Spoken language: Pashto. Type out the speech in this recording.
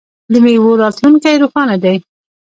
د میوو راتلونکی روښانه دی.